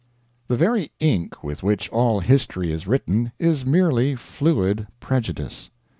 The very ink with which all history is written is merely fluid prejudice.